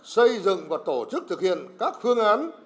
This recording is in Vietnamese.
xây dựng và tổ chức thực hiện các phương án